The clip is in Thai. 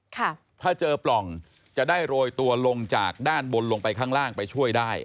ถ้าเจอปล่องจะได้โรยตัวลงจากด้านบนลงไปข้างล่างไปช่วยได้